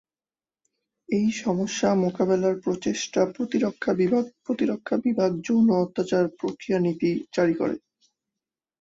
এই সমস্যা মোকাবেলার প্রচেষ্টায় প্রতিরক্ষা বিভাগ 'প্রতিরক্ষা বিভাগ যৌন অত্যাচার প্রতিক্রিয়া নীতি' জারি করে।